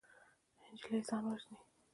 نجلۍ ځان وژني.